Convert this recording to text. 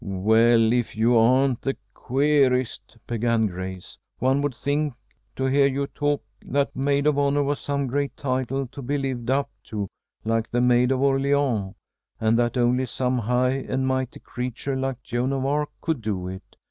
"Well, if you aren't the queerest," began Grace. "One would think to hear you talk that 'maid of honor' was some great title to be lived up to like the 'Maid of Orleans,' and that only some high and mighty creature like Joan of Arc could do it.